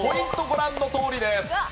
ご覧のとおりです。